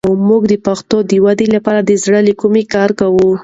موږ د پښتو د ودې لپاره د زړه له کومې کار کوو.